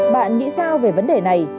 bạn nghĩ sao về vấn đề này